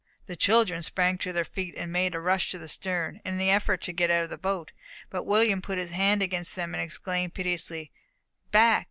The children sprang to their feet, and made a rush to the stern, in the effort to get out of the boat, but William put his hand against them, and exclaimed piteously, "Back!